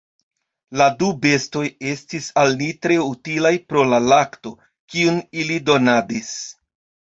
La du bestoj estis al ni tre utilaj pro la lakto, kiun ili donadis.